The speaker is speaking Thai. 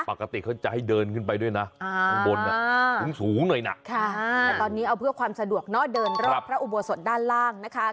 ปกติเขาจะให้เดินขึ้นไปด้วยนะข้างบนสูงหน่อยนะแต่ตอนนี้เอาเพื่อความสะดวกเนอะเดินรอบพระอุโบสถด้านล่างนะคะ